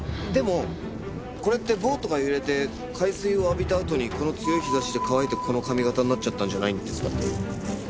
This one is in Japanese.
でもこれってボートが揺れて海水を浴びたあとにこの強い日差しで乾いてこの髪形になっちゃったんじゃないんですか？